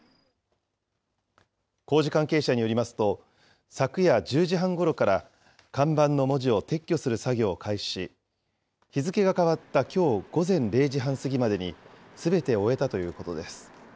工事関係者によりますと、昨夜１０時半ごろから、看板の文字を撤去する作業を開始し、日付が変わったきょう午前０時半過ぎまでに、すべて終えたということです。